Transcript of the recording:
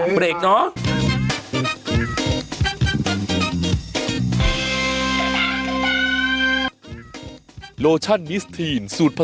พวกเราไม่รู้